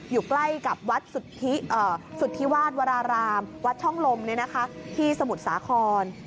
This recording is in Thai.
อยู่ใกล้กับวัดสุธิวาสวรารามวัดช่องลมที่สมุทรสาคร